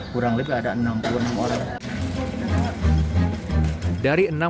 kurang lebih ada enam puluh enam orang